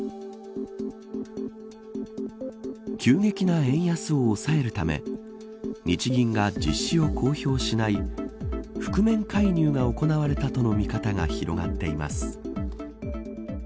急激な円安を抑えるため日銀が実施を公表しない覆面介入が行われたとの見方が広がっています。